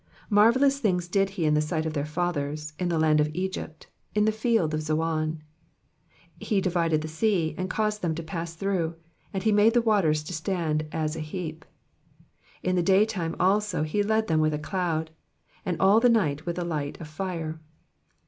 12 Marvellous things did he in the sight of their fathers, in the land of Egypt, in the field of Zoan. 13 He divided the sea, and caused them to pass through ; and he made the waters to stand as an heap. 14 In the daytime also he led them with a cloud, and all the night with a light of fire.